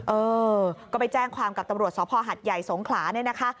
เออก็ไปแจ้งความกับตำรวจสภหัดใหญ่สงขลาเนี่ยนะคะ